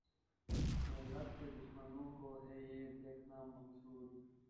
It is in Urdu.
ملت کے دشمنوں کو ھے یہ دیکھنا مقصود